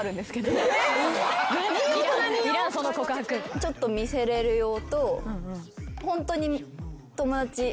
ちょっと見せれる用とホントに友達３人とか。